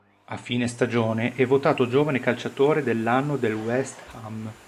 A fine stagione è votato giovane calciatore dell'anno del West Ham.